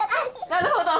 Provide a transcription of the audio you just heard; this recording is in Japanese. なるほど。